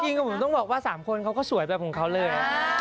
กับผมต้องบอกว่า๓คนเขาก็สวยแบบของเขาเลย